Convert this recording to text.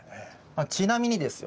ちなみにですよ